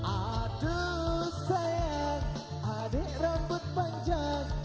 aduh sayang adik rambut panjang